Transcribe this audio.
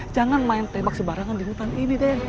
jangan main tembak sebarangan di hutan ini deh